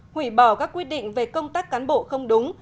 hủy bỏ các quyết định về công tác cán bộ không đúng